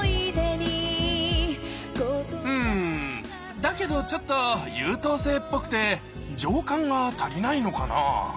うんだけどちょっと優等生っぽくて情感が足りないのかな？